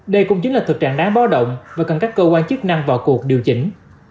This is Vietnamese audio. đây cũng chính là thực trạng đáng báo động và cần các cơ quan chức năng vào cuộc điều chỉnh